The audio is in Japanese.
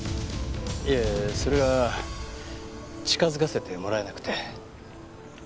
いえそれが近づかせてもらえなくて。